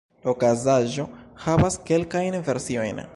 La okazaĵo havas kelkajn versiojn.